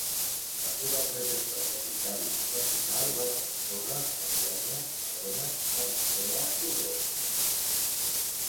La seva trajectòria vital i professional va transcórrer a Bolonya, Verona, Veneçuela i Roma.